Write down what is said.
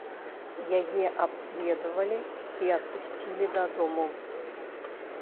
Яе абследавалі і адпусцілі дадому.